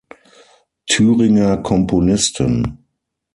Thüringer Komponisten